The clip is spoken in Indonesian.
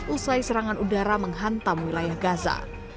usai serangan udara menghantam wilayah gaza